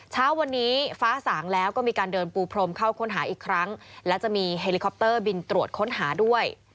เช้าวันนี้ฟ้าสางแล้วก็มีการเดินปูพรมเข้าค้นหาอีกครั้งและจะมีเฮลิคอปเตอร์บินตรวจค้นหาด้วย